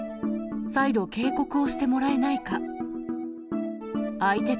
再度、警告をしてもらえないか。